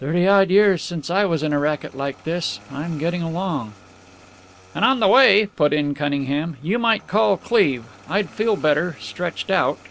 "Thirty odd years since I was in a racket like this. I'm getting along." "And on the way," put in Cunningham, "you might call Cleve. I'd feel better stretched out."